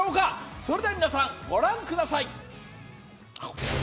それでは皆さん、ご覧ください！